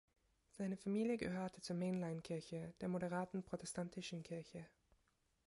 Seine Familie gehörte zur Mainline-Kirche, der moderaten protestantischen Kirche.